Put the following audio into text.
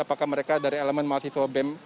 apakah mereka dari elemen mahasiswa bem